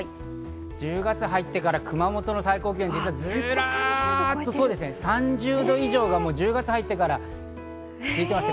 １０月に入ってから熊本の最高気温、ずっとズラっと３０度以上が１０月に入ってから続いていました。